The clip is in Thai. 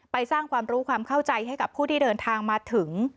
สร้างความรู้ความเข้าใจให้กับผู้ที่เดินทางมาถึง